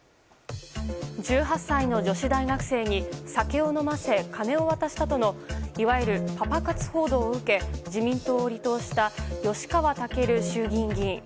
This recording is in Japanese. １８歳の女子大学生に酒を飲ませ金を渡したとのいわゆるパパ活報道を受け自民党を離党した吉川赳衆院議員。